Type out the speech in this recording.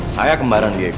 saya kembaran diego